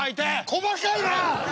細かいな！